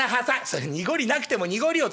「それ濁りなくても濁りを」。